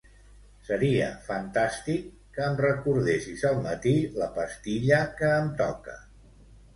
Seria fantàstic que em recordessis al matí la pastilla que em toca.